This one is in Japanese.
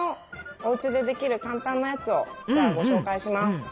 おうちでできる簡単なやつをじゃあご紹介します。